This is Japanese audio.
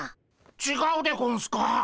ちがうでゴンスか。